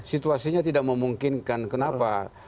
situasinya tidak memungkinkan kenapa